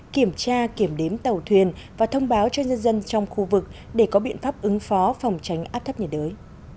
kiểm tra kiểm đếm tàu thuyền và thông báo cho nhân dân trong khu vực để có biện pháp ứng phó phòng tránh áp thấp nhiệt đới